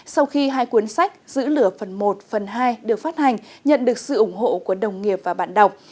sau khi hai cuốn sách giữ lửa phần một phần hai được phát hành nhận được sự ủng hộ của đồng nghiệp và bạn đọc